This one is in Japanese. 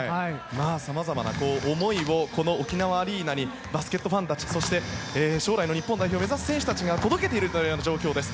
さまざまな思いを沖縄アリーナにバスケットファンたち将来の日本代表を目指す選手たちが届けているという状況です。